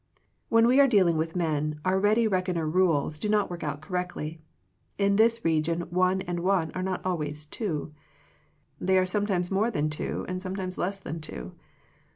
When we are dealing with men, our ready reckoner rules do not work out correctly. In this region one and one are not always two. They are sometimes more than two, and sometimes less than two.